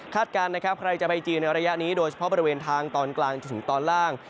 การนะครับใครจะไปจีนในระยะนี้โดยเฉพาะบริเวณทางตอนกลางจนถึงตอนล่าง